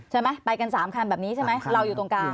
ใช่ไหมไปกัน๓คันแบบนี้ใช่ไหมเราอยู่ตรงกลาง